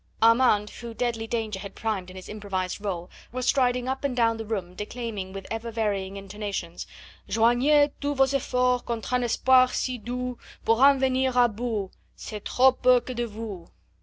Armand who deadly danger had primed in his improvised role was striding up and down the room declaiming with ever varying intonations: "Joignez tous vos efforts contre un espoir si doux Pour en venir a bout, c'est trop peu que de vous."